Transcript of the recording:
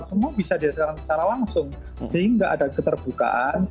semua bisa dihasilkan secara langsung sehingga ada keterbukaan